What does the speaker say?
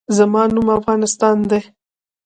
زما نوم افغانستان دی